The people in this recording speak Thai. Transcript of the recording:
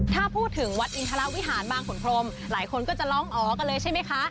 ถ้าพูดถึงวัดอินทรวิหารบางขุนพรมหลายคนก็จะร้องอ๋อกันเลยใช่ไหมคะ